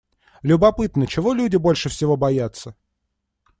Любопытно, чего люди больше всего боятся?